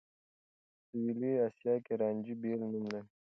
په سوېلي اسيا کې رانجه بېل نوم لري.